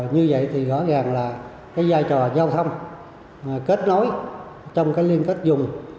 như vậy thì rõ ràng là cái giai trò giao thông kết nối trong cái liên kết dùng